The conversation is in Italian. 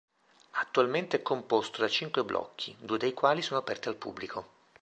Attualmente è composto da cinque blocchi, due dei quali sono aperti al pubblico.